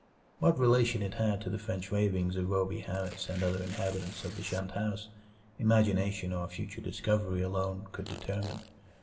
What relation it had to the French ravings of Rhoby Harris and other inhabitants of the shunned house, imagination or future discovery alone could determine.